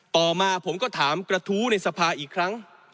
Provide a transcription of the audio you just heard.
ต่อมาผมก็ถามกระทู้ในสภาอีกครั้ง